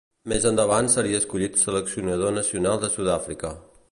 Més endavant seria escollit seleccionador nacional de Sud-àfrica.